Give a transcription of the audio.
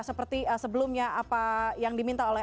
seperti sebelumnya apa yang diminta oleh